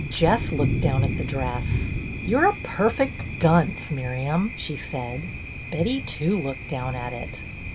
Jess looked down at the dress. "You're a perfect dunce, Miriam !" she said. Betty too looked down at it.